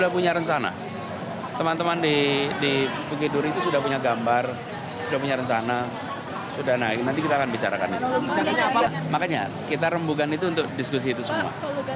bukan itu untuk diskusi itu semua